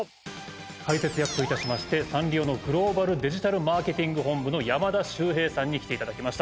解説役といたしましてサンリオのグローバル・デジタルマーケティング本部の山田周平さんに来てもらいました